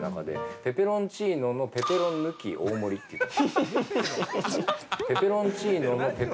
ペペロンチーノのペペロン抜き大盛りって言ったんです。